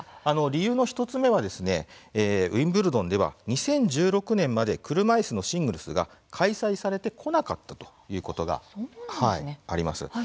理由の１つ目はウィンブルドンでは２０１６年まで車いすのシングルスが開催されてこなかったということがあります。